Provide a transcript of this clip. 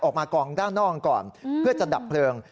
ออกมากองด้านนอกก่อนเพื่อจะดับเพลิง